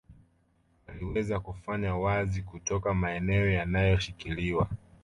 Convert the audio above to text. Waliweza kufanya kazi kutoka maeneo yanayoshikiliwa